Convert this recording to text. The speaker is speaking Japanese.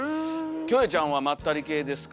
キョエちゃんはまったり系ですか？